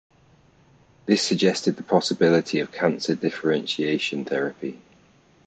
This suggested the possibility of "cancer differentiation therapy".